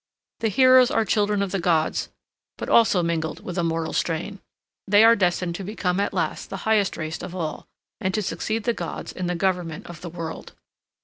The heroes are children of the gods, but also mingled with a mortal strain; they are destined to become at last the highest race of all, and to succeed the gods in the government of the world.